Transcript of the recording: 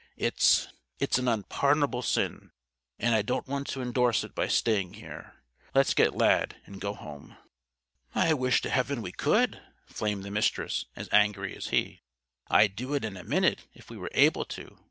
It's it's an Unpardonable Sin, and I don't want to endorse it by staying here. Let's get Lad and go home." "I wish to heaven we could!" flamed the Mistress, as angry as he. "I'd do it in a minute if we were able to.